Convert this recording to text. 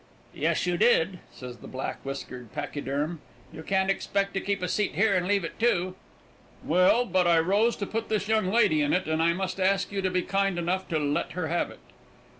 "Yes, you did," says the black whiskered pachyderm. "You can't expect to keep a seat here and leave it too." "Well, but I rose to put this young lady in it, and I must ask you to be kind enough to let her have it."